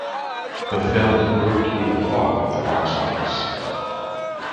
The film proved to be a flop at the box office.